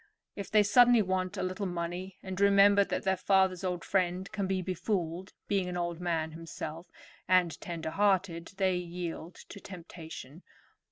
If they suddenly want a little money and remember that their father's old friend can be befooled, being an old man himself, and tender hearted, they yielded to temptation.